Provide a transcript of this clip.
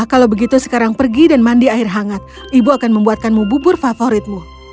kalau begitu sekarang pergi dan mandi air hangat ibu akan membuatkanmu bubur favoritmu